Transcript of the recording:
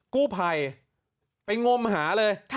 กู้ไพไปงมหาเลย